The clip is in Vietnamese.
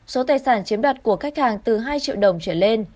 số tài sản chiếm đoạt của khách hàng từ hai triệu đồng trở lên